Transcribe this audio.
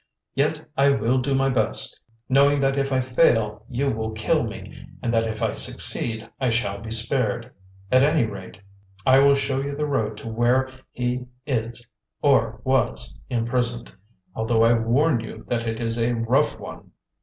Yet I will do my best, knowing that if I fail you will kill me, and that if I succeed I shall be spared. At any rate, I will show you the road to where he is or was imprisoned, although I warn you that it is a rough one."